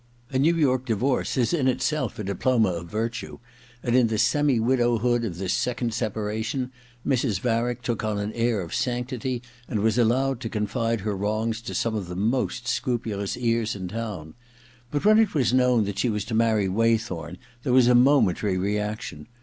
A New York divorce is in itself a diploma of virtue, and in the semi widowhood of this second separation Mrs. Varick took on an air of sanctity, and was allowed to confide her wrongs to some of the most scrupulous ears in town. But when it was known that she was to marry Waythorn there was a momentary re action.